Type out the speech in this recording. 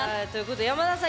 山田さん